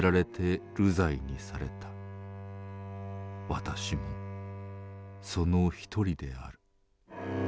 私もその一人である。